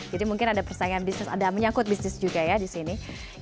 jadi mungkin ada persaingan bisnis ada menyangkut bisnis juga ya di sini